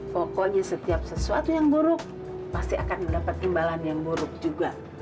pokoknya setiap sesuatu yang buruk pasti akan mendapat imbalan yang buruk juga